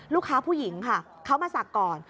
ลูกค้าผู้หญิงค่ะเขามาศักดิ์ก่อน